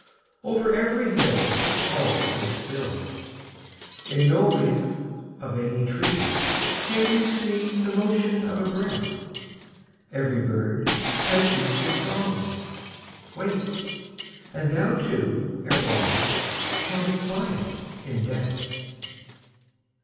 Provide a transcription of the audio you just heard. I Over every hill All is still ; In no leaf of any tree Can you see The motion of a breath. Every bird has ceased its song, Wait ; and thou too, ere long, Shall be quiet in death.